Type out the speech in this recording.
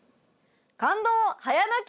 感動早泣き